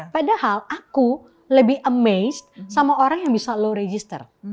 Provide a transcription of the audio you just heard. padahal aku lebih amazed sama orang yang bisa low register